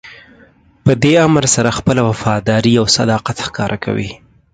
په دې امر سره خپله وفاداري او صداقت ښکاره کوئ.